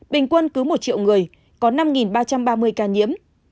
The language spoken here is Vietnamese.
bình quân cứ một triệu người có năm ba trăm ba mươi ca nhiễm